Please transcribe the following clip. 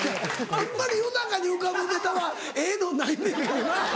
あんまり夜中に浮かぶネタはええのないねんけどな。